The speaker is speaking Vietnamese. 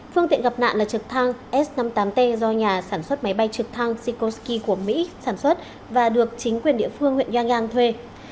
phương tiện gặp nạn là trực thăng s năm mươi tám t do nhà sản xuất máy bay trực thăng sikosky của mỹ sản xuất và được chính quyền địa phương huyện yanghang thuê